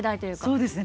そうですね